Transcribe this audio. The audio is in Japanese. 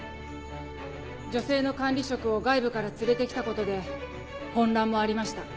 女性の管理職を外部から連れて来たことで混乱もありました。